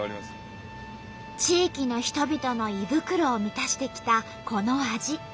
地域の人々の胃袋を満たしてきたこの味。